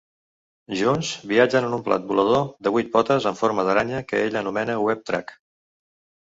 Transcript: Junts viatgen en un plat volador de vuit potes en forma d'aranya que ella anomena Web-Trac.